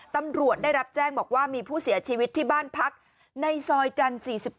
ตำรวจได้รับแจ้งบอกว่ามีผู้เสียชีวิตที่บ้านพักในซอยจันทร์๔๘